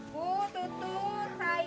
bu tutut sayur